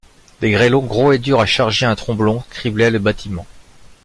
Des grêlons, gros et durs à charger un tromblon, criblaient le bâtiment.